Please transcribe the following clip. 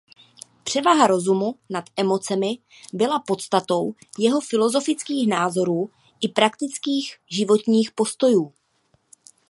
Převaha rozumu nad emocemi byla podstatou jeho filozofických názorů i praktických životních postojů.